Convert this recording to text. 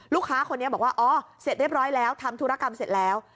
ลูกค้าคนนี้บอกว่าอ๋อเสร็จเรียบร้อยแล้วทำธุรกรรมเสร็จแล้ว